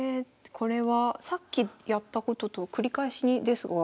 これはさっきやったことと繰り返しですが。